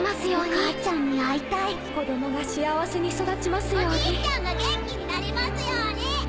・おじいちゃんが元気になりますように。